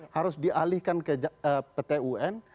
harus dialihkan ke pt un